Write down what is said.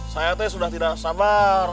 saya sudah tidak sabar